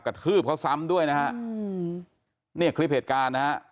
ทืบเขาซ้ำด้วยนะฮะอืมเนี่ยคลิปเหตุการณ์นะฮะ